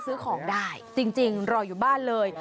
ซื้อของได้จริงรออยู่บ้านเลย